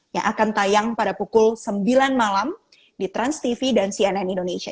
yang akan tayang pada pukul sembilan malam di transtv dan cnn indonesia